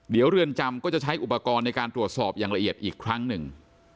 เดี๋ยวเรือนจำก็จะใช้อุปกรณ์ในการตรวจสอบอย่างละเอียดอีกครั้งหนึ่ง